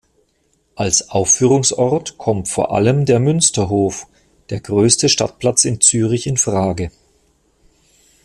Als Aufführungsort kommt vor allem der Münsterhof, der grösste Stadtplatz in Zürich, in Frage.